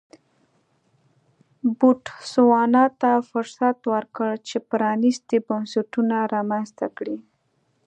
بوتسوانا ته فرصت ورکړ چې پرانیستي بنسټونه رامنځته کړي.